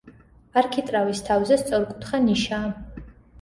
არქიტრავის თავზე სწორკუთხა ნიშაა.